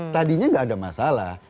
tadinya nggak ada masalah